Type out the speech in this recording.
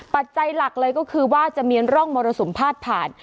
ปัจจัยหลักเลยก็คือว่าจะมีร่องมรสุมพาดผ่าน